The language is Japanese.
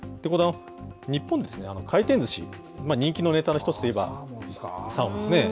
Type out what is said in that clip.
日本ですね、回転ずし、人気のネタの一つといえば、サーモンですね。